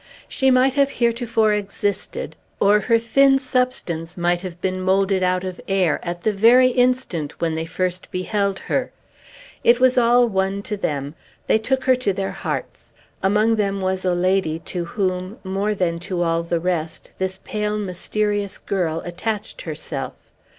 She might have heretofore existed, or her thin substance might have been moulded out of air at the very instant when they first beheld her. It was all one to them; they took her to their hearts. Among them was a lady to whom, more than to all the rest, this pale, mysterious girl attached herself.